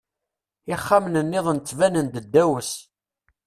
Ixxamen-nniḍen ttbanen-d ddaw-s.